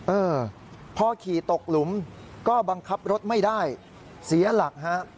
เออพอขี่ตกหลุมก็บังคับรถไม่ได้เสียหลักฮะ